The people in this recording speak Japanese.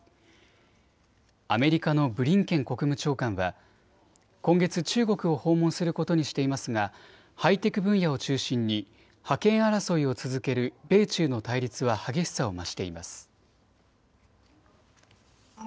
アメリカのブリンケン国務長官は今月、中国を訪問することにしていますが、ハイテク分野を中心に覇権争いを続ける米中の対立は激しさを増しています。